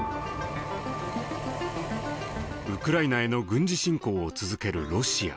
ウクライナへの軍事侵攻を続けるロシア。